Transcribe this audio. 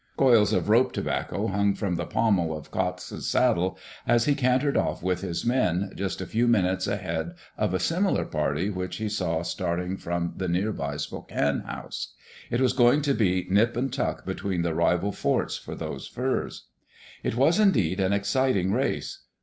Coils of rope tobacco hung from the pommel of Cox's saddle, as he cantered off with his men, just a few minutes ahead of a similar party which he saw starting from the near by Spokane House. It was going to be nip and tuck between the rival forts for those furs. It was indeed an exciting race.